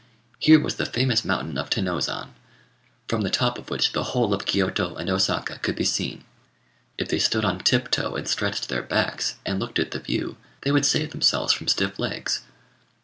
Here was the famous mountain of Tenôzan, from the top of which the whole of Kiôto and Osaka could be seen: if they stood on tiptoe and stretched their backs, and looked at the view, they would save themselves from stiff legs.